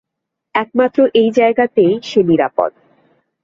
একমাত্র এই জায়গাতেই সে নিরাপদ।